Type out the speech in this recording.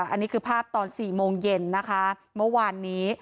อันนี้คือภาพตอน๔โมงเย็นนะคะเมื่อวานนี้